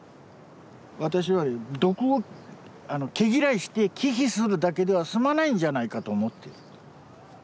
私は毒を毛嫌いして忌避するだけでは済まないんじゃないかと思ってる。